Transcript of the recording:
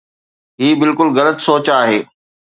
هي بلڪل غلط سوچ آهي.